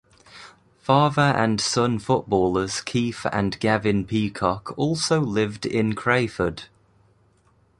Father and son footballers Keith and Gavin Peacock also lived in Crayford.